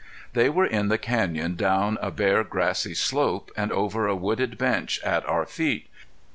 They were in the canyon down a bare grassy slope and over a wooded bench at our feet.